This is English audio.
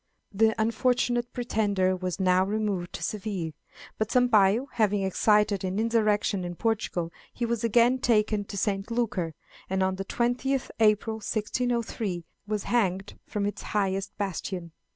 The unfortunate pretender was now removed to Seville, but Sampayo having excited an insurrection in Portugal, he was again taken to St. Lucar, and on the 20th April, 1603, was hanged from its highest bastion.